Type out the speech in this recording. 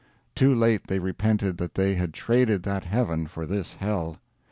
Too late they repented that they had traded that heaven for this hell.